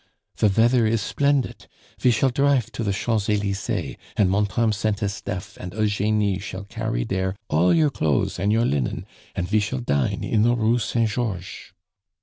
"The veather is splendit, ve shall drife to the Champs Elysees, and Montame Saint Estefe and Eugenie shall carry dere all your clo'es an' your linen, an' ve shall dine in de Rue Saint Georches."